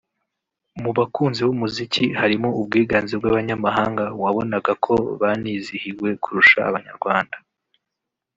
mu bakunzi b’umuziki harimo ubwiganze bw’abanyamahanga wabonaga ko banizihiwe kurusha Abanyarwanda